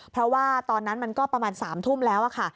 เพราะว่าตอนนั้นมันก็ประมาณ๓ทุ่มแล้วค่ะ